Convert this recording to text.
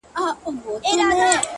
گلي ـ